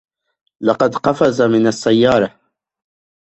لقد قفز من السيارة.